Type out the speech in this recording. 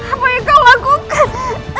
apa yang kau lakukan